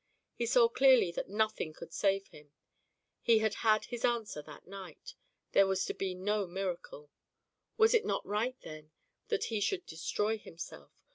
He saw clearly that nothing could save him, he had had his answer that night, there was to be no miracle. Was it not right, then, that he should destroy himself?